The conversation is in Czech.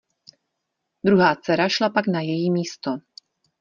Druhá dcera šla pak na její místo.